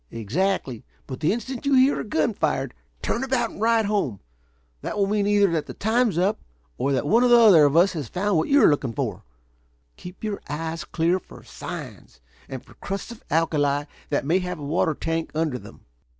"Exactly. But the instant you hear a gun fired, turn about and ride home. That will mean either that the time's up, or that one or the other of us has found what you are looking for. Keep your eyes clear for signs and for crusts of alkali that may have a water tank under them."